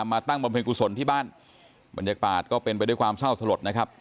ตั้งบำเพ็ญกุศลที่บ้านบรรยากาศก็เป็นไปด้วยความเศร้าสลดนะครับ